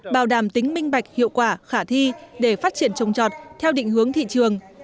bảo đảm tính minh bạch hiệu quả khả thi để phát triển trồng trọt theo định hướng thị trường